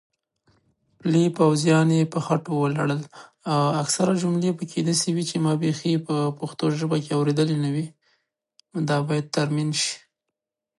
پلي پوځیان يې په خټو ولړل.